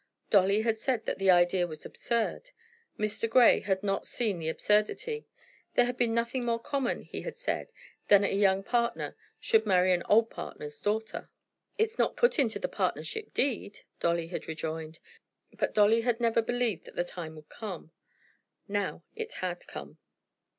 Dolly had said that the idea was absurd. Mr. Grey had not seen the absurdity. There had been nothing more common, he had said, than that a young partner should marry an old partner's daughter. "It's not put into the partnership deed?" Dolly had rejoined. But Dolly had never believed that the time would come. Now it had come.